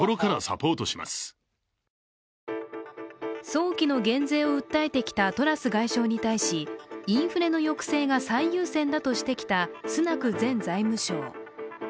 早期の減税を訴えてきたトラス外相に対しインフレの抑制が最優先だとしてきたスナク前財務相。